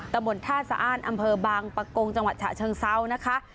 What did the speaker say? บนท่าสะอ้านอำเภอบางปะโกงจังหวัดฉะเชิงเซานะคะ